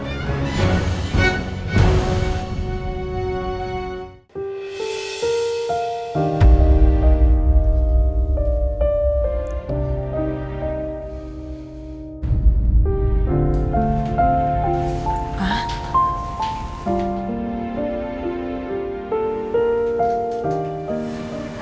pertama kali papa